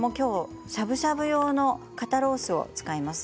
今日はしゃぶしゃぶ用の肩ロースを使います。